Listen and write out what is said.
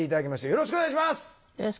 よろしくお願いします。